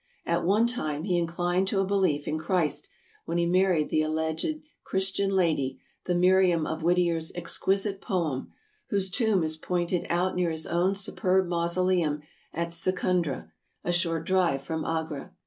At one time he inclined to a belief in Christ, when he married the alleged Christian lady, the Miriam of Whittier's exquisite poem, whose tomb is pointed out near his own superb mausoleum at Secundra, a short drive from Agra.